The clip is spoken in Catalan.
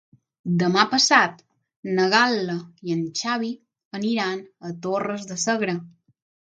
Demà passat na Gal·la i en Xavi iran a Torres de Segre.